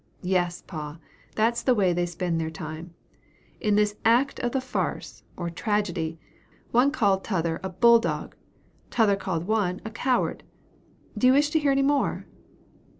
Yes, pa, that's the way they spend their time. In this act of the farce, or tragedy, one called t' other a bull dog, t' other called one a coward. Do you wish to hear any more?"